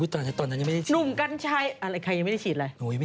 ตอนนั้นยังไม่ได้ฉีดเลยอะไรใครยังไม่ได้ฉีดอะไรหนุ่มกันใช้